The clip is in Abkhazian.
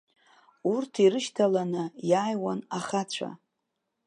Урҭ ирышьҭаланы иааиуан ахацәа.